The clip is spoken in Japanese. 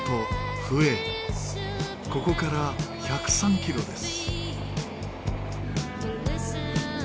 ここから１０３キロです。